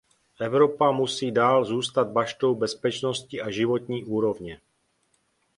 Evropa musí dál zůstat baštou bezpečnosti a životní úrovně.